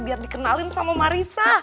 biar dikenalin sama marissa